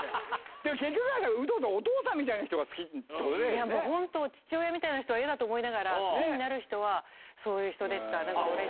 でも結局はだから、お父さんいやもう、本当、父親みたいな人は嫌だと思いながら、好きになる人は、そういう人でした。